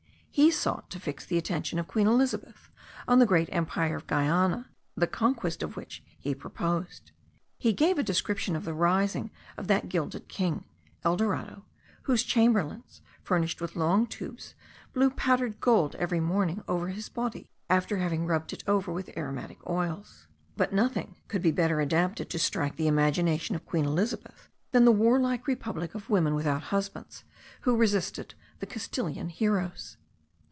He sought to fix the attention of Queen Elizabeth on the great empire of Guiana, the conquest of which he proposed. He gave a description of the rising of that gilded king (el dorado),* whose chamberlains, furnished with long tubes, blew powdered gold every morning over his body, after having rubbed it over with aromatic oils: but nothing could be better adapted to strike the imagination of queen Elizabeth, than the warlike republic of women without husbands, who resisted the Castilian heroes.